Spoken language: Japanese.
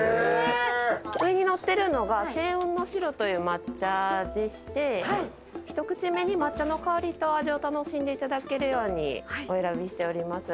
上にのってるのが鮮雲の白という抹茶でして一口目に抹茶の香りと味を楽しんでいただけるようにお選びしております。